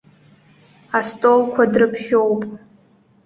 Астолқәа дрыбжьоуп.